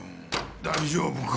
大丈夫か？